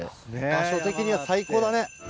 場所的には最高だね。